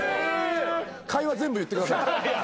会話全部言ってください。